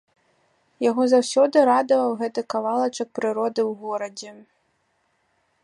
Яго заўсёды радаваў гэты кавалачак прыроды ў горадзе.